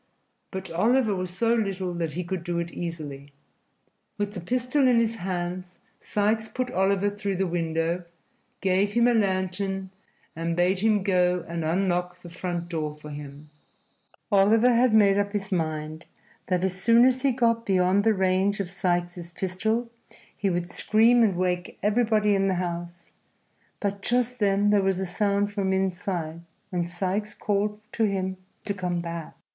But Oliver was so little that he could do it easily. With the pistol in his hand, Sikes put Oliver through the window, gave him a lantern and bade him go and unlock the front door for them. [Illustration: "The Artful Dodger" introducing Oliver Twist to Fagin See page 55] Oliver had made up his mind that as soon as he got beyond the range of Sikes's pistol he would scream and wake everybody in the house, but just then there was a sound from inside, and Sikes called to him to come back.